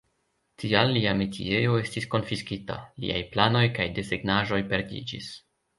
Tial lia metiejo estis konfiskita; liaj planoj kaj desegnaĵoj perdiĝis.